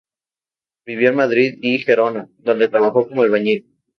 Vivió en Madrid y Gerona donde trabajó como albañil.